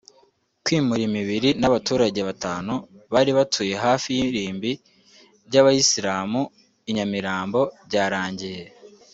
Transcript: Kwimura imibiri n’abaturage batanu bari batuye hafi y’irimbi ry’abayisilamu I Nyambirambo byarangiye